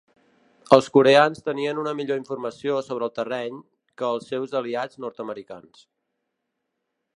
Els coreans tenien una millor informació sobre el terreny, que els seus aliats nord-americans.